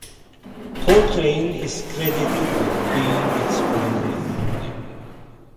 Coltrane is credited with being its primary founder.